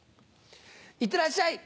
いってらっしゃい！